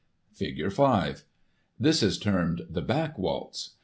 Figure 5. — ^This is termed the back waltz.